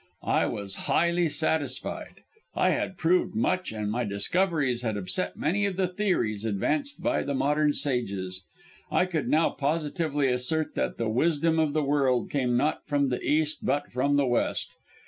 "I was highly satisfied I had proved much and my discoveries had upset many of the theories advanced by the modern sages. I could now positively assert that the wisdom of the world came not from the East but from the West.